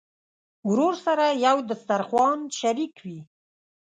ورور سره یو دسترخوان شریک وي.